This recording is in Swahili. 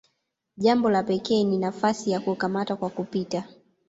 Jambo la pekee ni nafasi ya "kukamata kwa kupita".